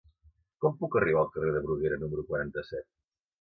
Com puc arribar al carrer de Bruguera número quaranta-set?